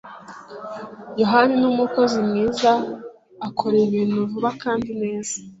yohani numukozi mwiza. Akora ibintu vuba kandi neza.